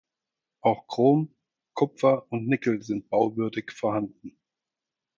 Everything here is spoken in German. Auch Chrom, Kupfer und Nickel sind bauwürdig vorhanden.